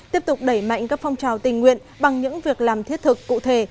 tiếp tục đẩy mạnh các phong trào tình nguyện bằng những việc làm thiết thực cụ thể